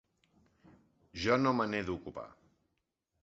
Jo no me n'he d'ocupar.